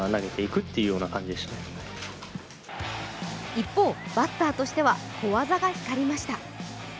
一方、バッターとしては小技が光りました。